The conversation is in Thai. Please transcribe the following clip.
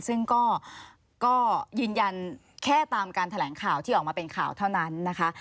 ซึ่งก็ยืนยันแค่ตามการแถลงข่าวที่ออกมาเป็นข่าวเท่านั้นนะคะ